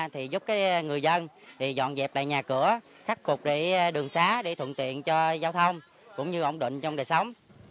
thì giúp người dân dọn dẹp lại nhà cửa khắc cục đường xá để thuận tiện cho giao thông cũng như ổng định trong đời sống